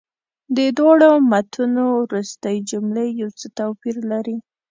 د دواړو متونو وروستۍ جملې یو څه توپیر لري.